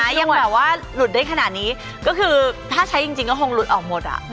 ยังแบบว่าหลุดได้ขนาดนี้ก็คือถ้าใช้จริงก็คงหลุดออกหมดอ่ะ